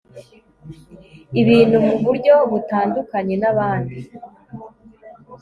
ibintu muburyo butandukanye nabandi